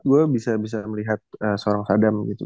gue bisa bisa melihat seorang sadam gitu